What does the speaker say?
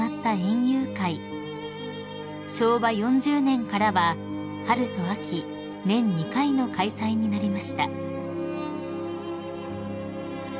［昭和４０年からは春と秋年２回の開催になりました］